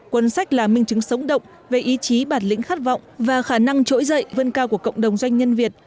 cuốn sách là minh chứng sống động về ý chí bản lĩnh khát vọng và khả năng trỗi dậy vươn cao của cộng đồng doanh nhân việt